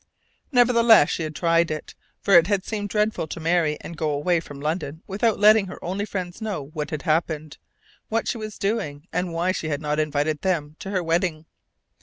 Nevertheless, she had tried, for it had seemed dreadful to marry and go away from London without letting her only friends know what had happened, what she was doing, and why she had not invited them to her wedding.